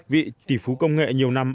vị tỷ phú công nghệ nhiều năm